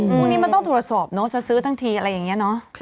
อื้อนี้มันต้อนทุลสอบจะซื้อทั้งทีอะไรอย่างนี้